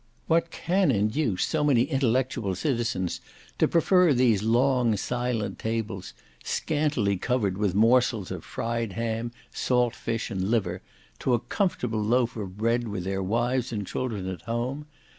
What can induce so many intellectual citizens to prefer these long, silent tables, scantily covered with morsels of fried ham, salt fish and liver, to a comfortable loaf of bread with their wives and children at home?